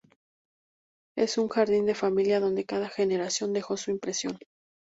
Es un jardín de familia donde cada generación dejó su impresión.